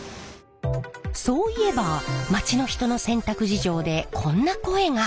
そういえば街の人の洗濯事情でこんな声が。